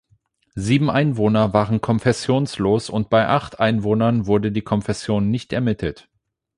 Sieben Einwohner waren konfessionslos und bei acht Einwohnern wurde die Konfession nicht ermittelt.